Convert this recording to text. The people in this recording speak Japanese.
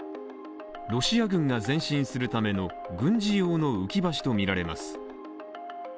ロシア軍が前進するための軍事用の浮き橋とみられます。